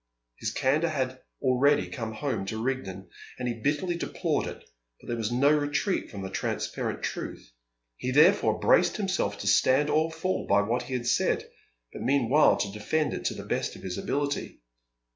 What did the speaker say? His candour had already come home to Rigden, and he bitterly deplored it, but there was no retreat from the transparent truth. He therefore braced himself to stand or fall by what he had said, but meanwhile to defend it to the best of his ability.